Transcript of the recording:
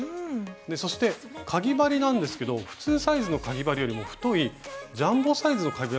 そしてかぎ針なんですけど普通サイズのかぎ針よりも太いジャンボサイズのかぎ針を使うんですか？